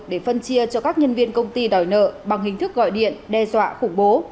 để phân chia cho các nhân viên công ty đòi nợ bằng hình thức gọi điện đe dọa khủng bố